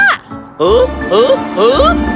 apa yang terjadi